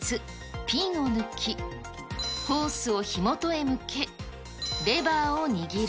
ピンを抜き、ホースを火元へ向け、レバーを握る。